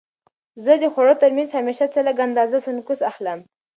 زه د خوړو ترمنځ همیشه څه لږه اندازه سنکس اخلم.